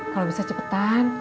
kalau bisa cepetan